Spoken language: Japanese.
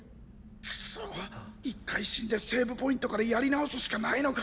くそ一回死んでセーブポイントからやり直すしかないのか？